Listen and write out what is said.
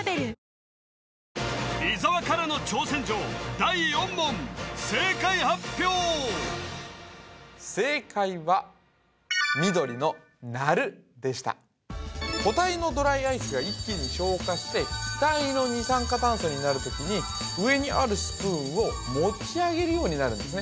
第４問正解発表正解は緑の鳴るでした固体のドライアイスが一気に昇華して気体の二酸化炭素になる時に上にあるスプーンを持ち上げるようになるんですね